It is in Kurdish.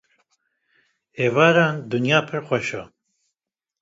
Êvaran dûnya pir xweş e